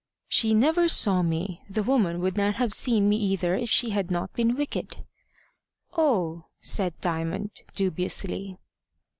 "She never saw me. The woman would not have seen me either if she had not been wicked." "Oh!" said Diamond, dubiously.